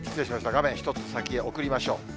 画面１つ先へ送りましょう。